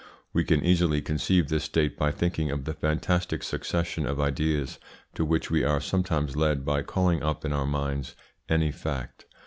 We can easily conceive this state by thinking of the fantastic succession of ideas to which we are sometimes led by calling up in our minds any fact.